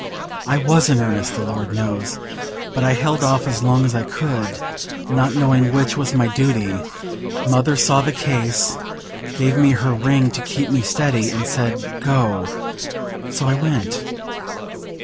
I was in earnest, the Lord knows! but I held off as long as I could, not knowing which was my duty; mother saw the case, gave me her ring to keep me steady, and said 'Go:' so I went."